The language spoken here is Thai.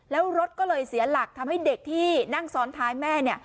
แล้วรถก็เลยเสียหลักทำให้เด็กที่นั่งซ้อนท้ายแม่เนี่ย